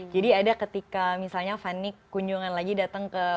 jadi ada ketika misalnya fani kunjungan lagi datang ke